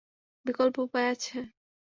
বিকল্প উপায় আছে?